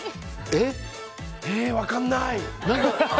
え、分かんない。